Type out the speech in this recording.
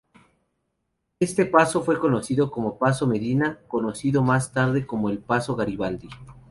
Este paso fue conocido como Paso Medina, conocido más tarde como el Paso Garibaldi.